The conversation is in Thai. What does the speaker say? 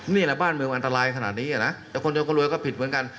นี่แหละบ้านเมืองอันตรายขนาดนี้นะแต่คนจนก็รวยก็ผิดเหมือนกัน